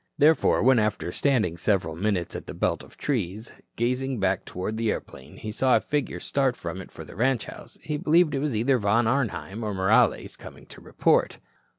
Therefore, when, after standing several minutes at the belt of trees, gazing back toward the airplane, he saw a figure start from it for the ranch house, he believed it was either Von Arnheim or Morales coming to report.